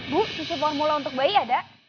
bu susu formula untuk bayi ada